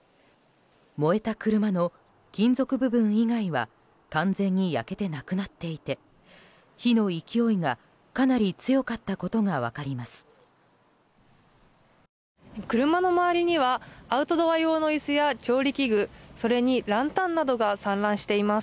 燃えた車の金属部分以外は完全に焼けてなくなっていて火の勢いがかなり強かったことが分かります。